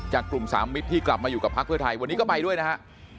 กลุ่มสามมิตรที่กลับมาอยู่กับพักเพื่อไทยวันนี้ก็ไปด้วยนะฮะ